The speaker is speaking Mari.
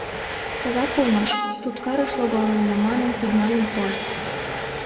Тыгак улмаш: туткарыш логалынна, манын сигналым пуат.